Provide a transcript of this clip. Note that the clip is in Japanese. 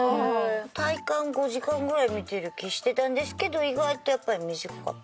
体感５時間ぐらい見てる気してたんですけど意外とやっぱり短かった。